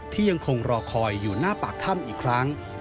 ที่ยังคงรอคอยอยู่หน้าปากถ้ำอีกครั้ง